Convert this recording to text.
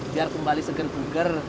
biar kembali seger buger